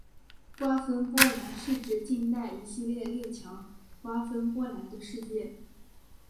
瓜分波兰是指近代一系列列强瓜分波兰的事件。